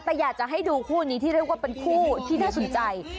แต่อยากจะให้ดูคู่นี้ที่เรียกว่าเป็นคู่ที่น่าสนใจ